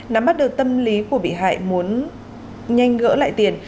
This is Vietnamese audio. nắm bắt được tâm lý của bị hại muốn nhanh gỡ lại tiền